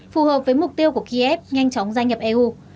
phù hợp với mục tiêu của kiev nhanh chóng gia nhập eu